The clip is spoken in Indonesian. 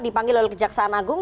dipanggil oleh kejaksaan agung